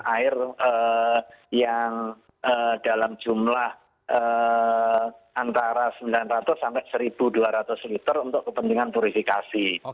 air yang dalam jumlah antara sembilan ratus sampai satu dua ratus liter untuk kepentingan verifikasi